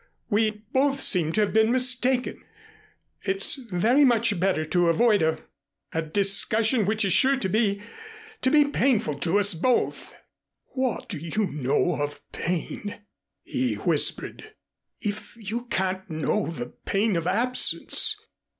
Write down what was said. "We both seem to have been mistaken. It's very much better to avoid a a discussion which is sure to to be painful to us both." "What do you know of pain," he whispered, "if you can't know the pain of absence?